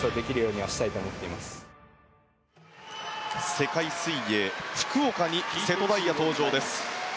世界水泳福岡に瀬戸大也登場です。